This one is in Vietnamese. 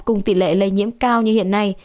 cùng tỷ lệ lây nhiễm cao như hiện nay